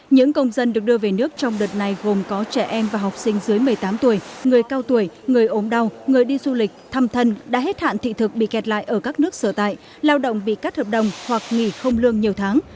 những công dân được đưa về nước trong đợt này gồm có trẻ em và học sinh dưới một mươi tám tuổi người cao tuổi người ốm đau người đi du lịch thăm thân đã hết hạn thị thực bị kẹt lại ở các nước sở tại lao động bị cắt hợp đồng hoặc nghỉ không lương nhiều tháng